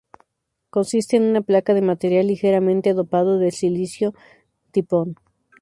Consiste en una placa de material ligeramente dopado de silicio tipo-n.